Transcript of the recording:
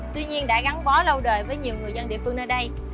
tuy nhiên đã gắn bó lâu đời với nhiều người dân địa phương nơi đây